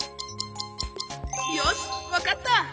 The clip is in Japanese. よしわかった！